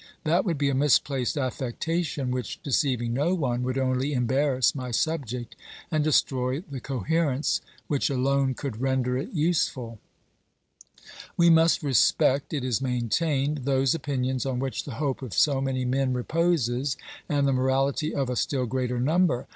That would be a misplaced affectation which, deceiving no one, would only embarrass my subject and destroy the coherence which alone could render it useful We must respect, it is maintained, those opinions on which the hope of so many men reposes and the morality of a still greater number.